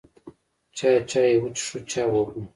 چا چای وڅښو، چا اوبه.